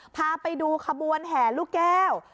พาไปดูขบวนแห่ลูกแก้ว